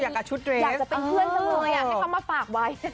อยากจะชุดเข้ามาฝากไว้